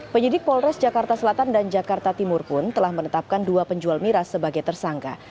penyidik polres jakarta selatan dan jakarta timur pun telah menetapkan dua penjual miras sebagai tersangka